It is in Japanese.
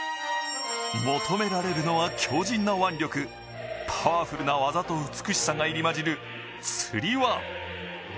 求められるのは、強じんな腕力、パワフルな技と演技が入り交じる、つり輪。